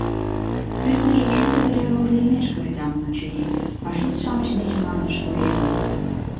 Кӱртньыжӧ шуко вере рож лиймешке рӱдаҥын, очыни, фашист-шамыч деч мландыш тоеныт.